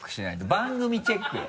番組チェックよ。